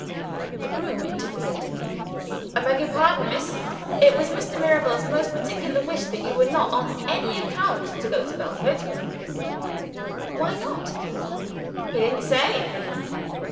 The groom interfered. "I beg your pardon, miss. It was Mr. Mirabel's most particular wish that you were not, on any account, to go to Belford." "Why not?" "He didn't say."